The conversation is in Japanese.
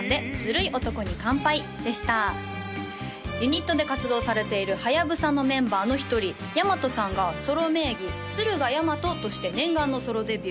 ユニットで活動されているはやぶさのメンバーの一人ヤマトさんがソロ名義駿河ヤマトとして念願のソロデビュー